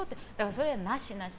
それはなし、なし。